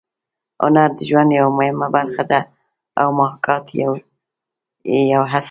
هنر د ژوند یوه مهمه برخه ده او محاکات یې یو اصل دی